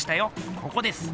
ここです。